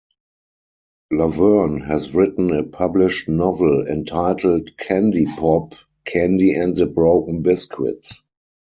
Laverne has written a published novel entitled "Candypop: Candy and the Broken Biscuits".